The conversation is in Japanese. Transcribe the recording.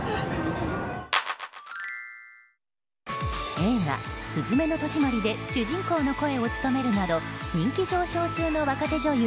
映画「すずめの戸締まり」で主人公の声を務めるなど人気上昇中の若手女優